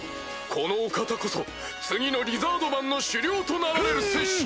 このお方こそ次のリザードマンの首領となられる戦士。